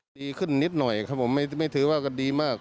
ดีขึ้นนิดหน่อยครับผมไม่ถือว่าก็ดีมาก